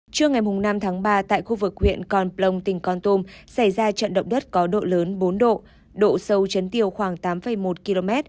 trưa ngày năm tháng ba tại khu vực huyện con plong tỉnh con tum xảy ra trận động đất có độ lớn bốn độ độ sâu chấn tiêu khoảng tám một km